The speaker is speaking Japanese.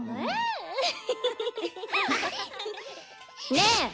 ねえ！